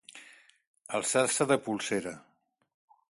Alçar-se de polsera.